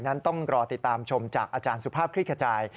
นั้นต้องรอติดตามชมจากอาจารย์สุภาพคลิกขจาย